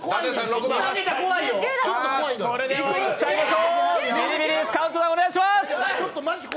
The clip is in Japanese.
それではいっちゃいましょう。